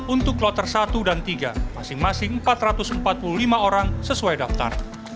untuk kloter satu dan tiga masing masing empat ratus empat puluh lima orang sesuai daftar